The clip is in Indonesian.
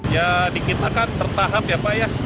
ya di kita kan tertahap ya pak ya